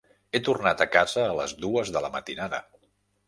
He tornat a casa a les dues de la matinada.